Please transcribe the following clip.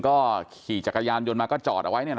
ก็ขี่จักรยานยนต์มาก็จอดเอาไว้